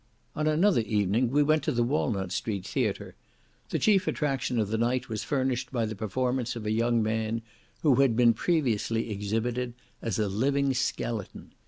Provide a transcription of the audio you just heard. On another evening we went to the Walnut Street Theatre; the chief attraction of the night was furnished by the performance of a young man who had been previously exhibited as "a living skeleton."